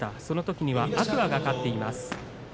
そのときには天空海が勝っています。